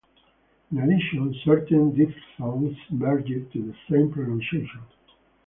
In addition, certain diphthongs merged to the same pronunciation.